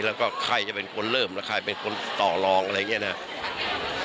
แล้วก็ใครจะเป็นคนเริ่มแล้วใครเป็นคนต่อรองอะไรอย่างนี้นะครับ